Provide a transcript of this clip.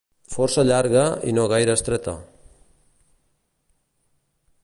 força llarga i no gaire estreta